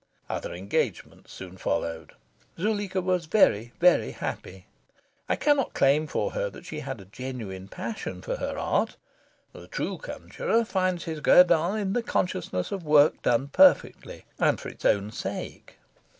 Other engagements soon followed. Zuleika was very, very happy. I cannot claim for her that she had a genuine passion for her art. The true conjurer finds his guerdon in the consciousness of work done perfectly and for its own sake.